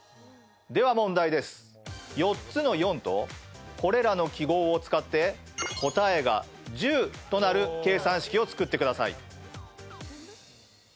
では問題です、４つの４とこれらの記号を使って答えが１０となる計算式を作ってください。